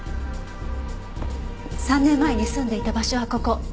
３年前に住んでいた場所はここ。